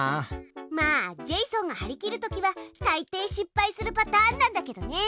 まあジェイソンが張り切るときはたいてい失敗するパターンなんだけどね。